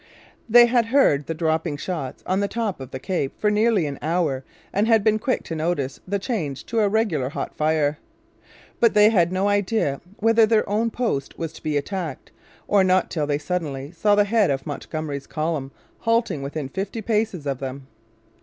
They had heard the dropping shots on the top of the Cape for nearly an hour and had been quick to notice the change to a regular hot fire. But they had no idea whether their own post was to be attacked or not till they suddenly saw the head of Montgomery's column halting within fifty paces of them.